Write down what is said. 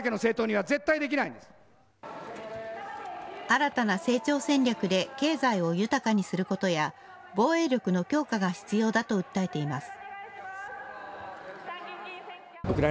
新たな成長戦略で経済を豊かにすることや、防衛力の強化が必要だと訴えています。